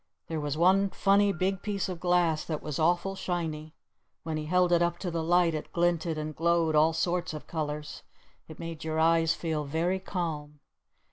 There was one funny big piece of glass that was awful shiny. When he held it up to the light it glinted and glowed all sorts of colors. It made your eyes feel very calm.